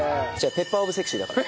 ペッパーオブセクシーだから。